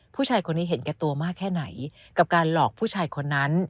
ผู้ชายคนนี้เห็นแก่ตัวมากแค่ไหนกับการหลอกผู้ชายคนนั้น